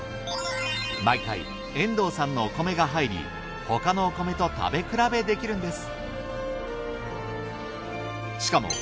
毎回遠藤さんのお米が入り他のお米と食べ比べできるんです。